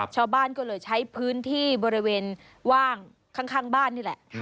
ชาวบ้านก็เลยใช้พื้นที่บริเวณว่างข้างบ้านนี่แหละ